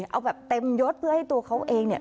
เอาแบบเต็มยดเพื่อให้ตัวเขาเองเนี่ย